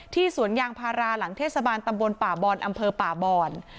สวนยางพาราหลังเทศบาลตำบลป่าบอนอำเภอป่าบอน